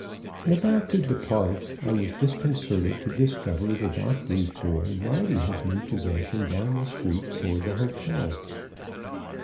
When about to depart, I was disconcerted to discover the doctor's boy riding his new possession down the street toward the hotel.